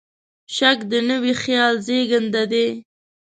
شک د نوي خیال زېږنده دی.